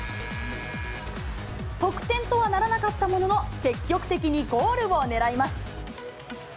得点とはならなかったものの、積極的にゴールを狙います。